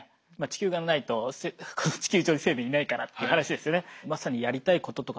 地球がないとこの地球上に生命いないからって話ですよね。